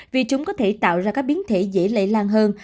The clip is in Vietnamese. vì chúng có thể tạo ra các biến thể dễ lây lan hơn